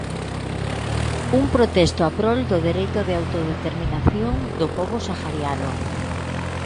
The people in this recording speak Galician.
Un protesto a prol do dereito de autodeterminación do pobo sahariano.